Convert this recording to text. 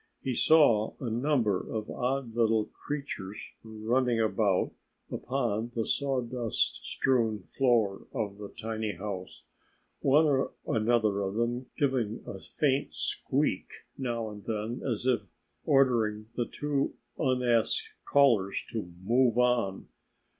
He saw a number of odd little creatures running about upon the sawdust strewn floor of the tiny house, one or another of them giving a faint squeak now and then as if ordering the two unasked callers to move on.